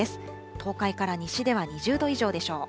東海から西では２０度以上でしょう。